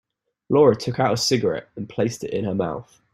Laura took out a cigarette and placed it in her mouth.